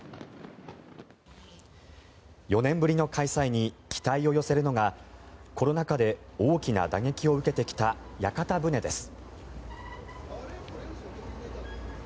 ４年ぶりの開催に期待を寄せるのがコロナ禍で大きな打撃を受けてきた屋形船です。